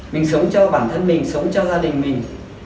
mình sống cho bản thân mình sống trong gia đình mình